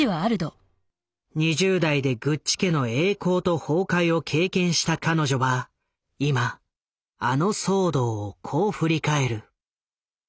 ２０代でグッチ家の栄光と崩壊を経験した彼女は今あの騒動をこう振り返る。